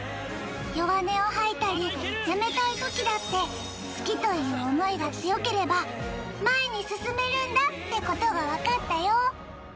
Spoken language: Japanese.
弱音を吐いたりやめたいときだって好きという思いが強ければ前に進めるんだってことが分かったよ